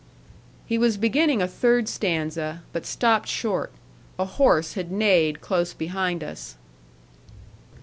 He was beginning a third stanza, but stopped short; a horse had neighed close behind us.